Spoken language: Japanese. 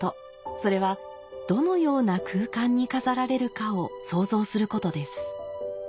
それはどのような空間に飾られるかを想像することです。